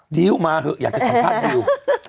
ดิวมาเถอะอยากจะสัมภาษณ์ดิว